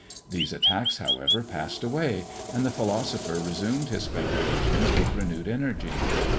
These attacks, however, passed away, and the philosopher resumed his speculations with renewed energy.